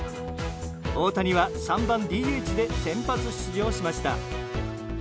大谷は３番ＤＨでは先発出場しました。